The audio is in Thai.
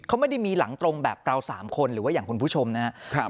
เขาไม่ได้มีหลังตรงแบบเรา๓คนหรือว่าอย่างคุณผู้ชมนะครับ